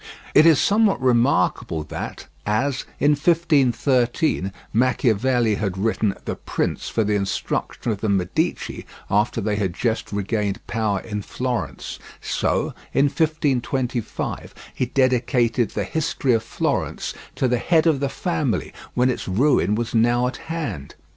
It is somewhat remarkable that, as, in 1513, Machiavelli had written The Prince for the instruction of the Medici after they had just regained power in Florence, so, in 1525, he dedicated the "History of Florence" to the head of the family when its ruin was now at hand.